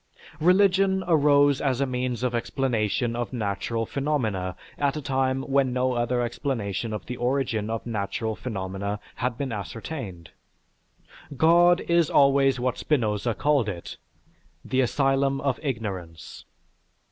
Religion arose as a means of explanation of natural phenomena at a time when no other explanation of the origin of natural phenomena had been ascertained. God is always what Spinoza called it, "the asylum of ignorance."